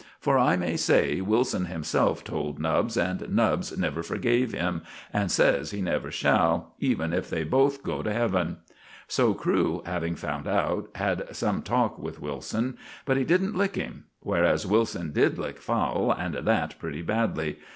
For I may say Wilson himself told Nubbs, and Nubbs never forgave him, and says he never shall, even if they ever both go to heaven. So Crewe, having found out, had some talk with Wilson. But he didn't lick him; whereas Wilson did lick Fowle, and that pretty badly.